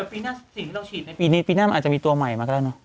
ปีหน้าสิ่งที่เราฉีดในปีนี้ปีหน้ามันอาจจะมีตัวใหม่มาก็ได้เนอะ